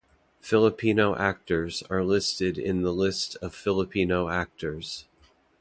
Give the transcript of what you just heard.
Filipino actors are listed in the List of Filipino actors.